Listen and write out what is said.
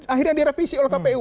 akhirnya direvisi oleh kpu